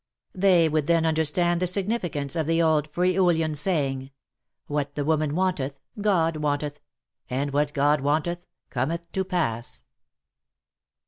They would then understand the significance of the old Friulean saying, "What the Woman wanteth, God wanteth ; and what God wanteth, cometh to pass."